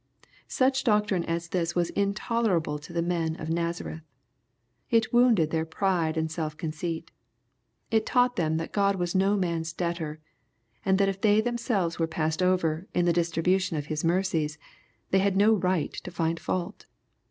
— Such doc trine as this was intolerahlfi Jx^ the men of Nazareth. It wounded their pride and self conceit. It taught them that God was no man's debtor, and that if they them selves were passed over in the distribution of His mercies, they had no right to iind fault.